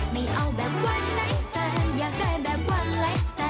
ไม่เอาแบบว่าไหนแต่อยากได้แบบว่าไร้แต่